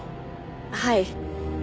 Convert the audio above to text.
はい。